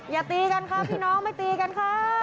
อย่าตีกันค่ะพี่น้องไม่ตีกันค่ะ